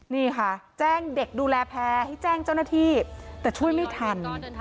นี่ค่ะแจ้งเด็กดูแลแพ้ให้แจ้งเจ้าหน้าที่แต่ช่วยไม่ทัน